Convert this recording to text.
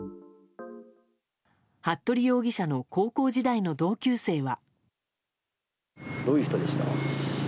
服部容疑者の高校時代の同級生は。